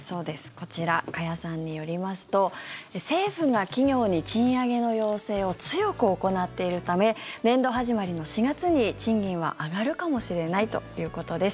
こちら、加谷さんによりますと政府が企業に賃上げの要請を強く行っているため年度始まりの４月に賃金は上がるかもしれないということです。